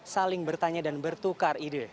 saling bertanya dan bertukar ide